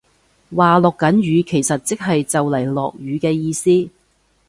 話落緊雨其實即係就嚟落雨嘅意思